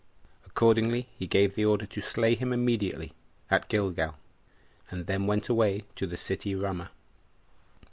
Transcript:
Accordingly, he gave order to slay him immediately at Gilgal, and then went away to the city Ramah.